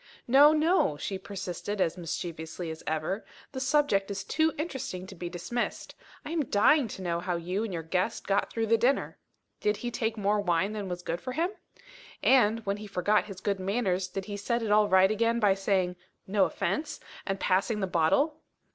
"No, no," she persisted as mischievously as ever, "the subject is too interesting to be dismissed. I am dying to know how you and your guest got through the dinner. Did he take more wine than was good for him? And, when he forgot his good manners, did he set it all right again by saying, 'No offence,' and passing the bottle?"